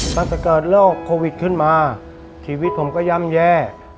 ตั้งแต่เกิดโรคโควิดขึ้นมาชีวิตผมก็ย่ำแย่